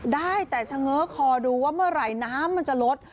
ได้แต่เฉง้อคอดูว่าเมื่อไหร่น้ำมันจะลด